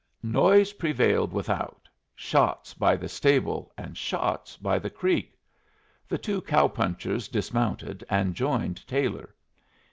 Noise prevailed without, shots by the stable and shots by the creek. The two cow punchers dismounted and joined Taylor.